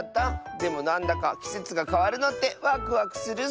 でもなんだかきせつがかわるのってワクワクするッス。